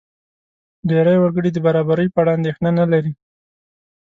ډېری وګړي د برابرۍ په اړه اندېښنه نه لري.